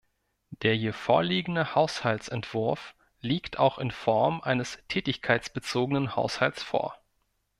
Der hier vorliegende Haushaltsentwurf liegt auch in Form eines tätigkeitsbezogenen Haushalts vor.